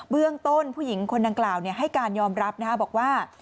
เรื่องต้นผู้หญิงคนดังกล่าวให้การยอมรับบอกว่า